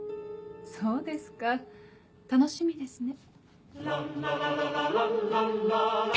そうですか楽しみですね。